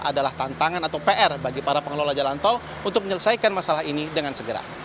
adalah tantangan atau pr bagi para pengelola jalan tol untuk menyelesaikan masalah ini dengan segera